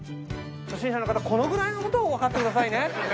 初心者の方このぐらいの事はわかってくださいね。